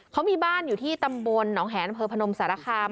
เขามีบ้านอยู่ที่ตำบลหนองแหนพพศาลคาม